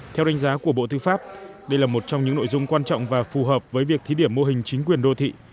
theo đánh giá của bộ tư pháp đây là một trong những nội dung quan trọng và phù hợp với việc thí điểm mô hình chính quyền đô thị